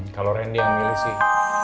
kalau randy yang milih sih